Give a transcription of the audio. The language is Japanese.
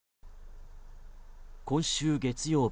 今週月曜日